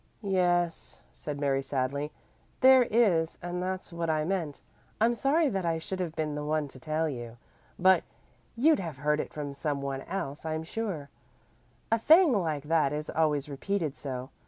"Yes," said Mary sadly, "there is, and that's what I meant. I'm sorry that I should have been the one to tell you, but you'd have heard it from some one else, I'm sure. A thing like that is always repeated so.